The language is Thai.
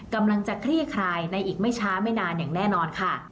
กำลังจะคลี่คลายในอีกไม่ช้าไม่นานอย่างแน่นอนค่ะ